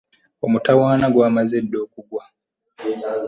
Omutawaana gwamaze dda okugwa.